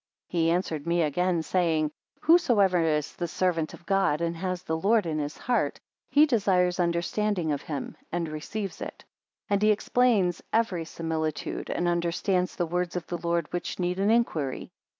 38 He answered me again, saying: Whosoever is the servant of God, and has the Lord in his heart, he desires understanding of him, and receives it; and he explains every similitude, and understands the words of the Lord which need an inquiry.